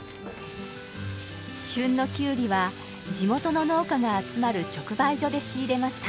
旬のきゅうりは地元の農家が集まる直売所で仕入れました。